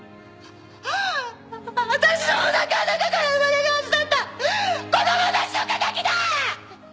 私のおなかの中から生まれるはずだった子供たちの敵だ！！